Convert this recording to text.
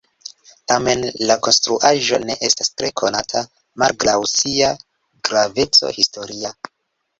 Tamen la konstruaĵo ne estas tre konata malgraŭ sia graveco historia.